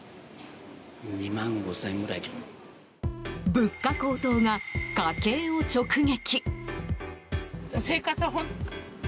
物価高騰が家計を直撃。